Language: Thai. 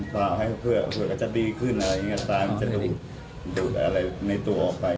ปล่าวให้เพื่อเพื่อก็จะดีขึ้นอะไรอย่างเงี้ยตายมันจะดูดอะไรในตัวออกไป